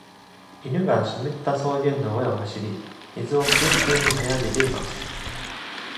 犬が湿った草原の上を走り、水を空中に跳ね上げています。